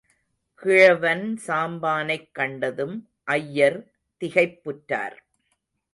கிழவன் சாம்பானைக் கண்டதும் ஐயர் திகைப்புற்றார்.